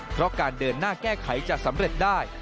เพราะการเดินหน้าแก้ไขจะสำเร็จได้